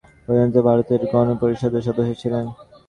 তিনি এর আগে পশ্চিমবঙ্গের প্রতিনিধিত্বকারী ভারতের গণপরিষদের সদস্য ছিলেন।